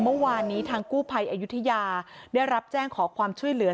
เมื่อวานนี้ทางกู้ภัยอายุทยาได้รับแจ้งขอความช่วยเหลือ